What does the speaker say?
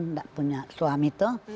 nggak punya suami tuh